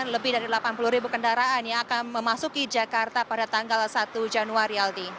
lebih dari delapan puluh ribu kendaraan yang akan memasuki jakarta pada tanggal satu januari aldi